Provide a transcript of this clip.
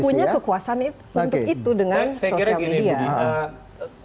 dan semua orang itu punya kekuasaan untuk itu dengan sosial media